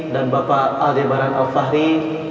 dan bapak aldebaran al fahri